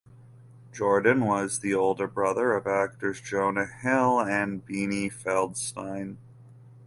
Jordan was the older brother of actors Jonah Hill and Beanie Feldstein.